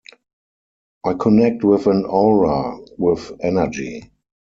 I connect with an aura, with energy.